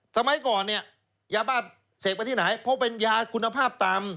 สมัยก่อนเนี่ยยาบ้าเสพไปที่ไหนเพราะเป็นยาคุณภาพต่ำ